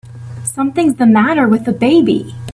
Something's the matter with the baby!